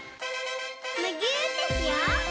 むぎゅーってしよう！